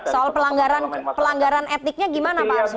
soal pelanggaran etiknya gimana pak arsul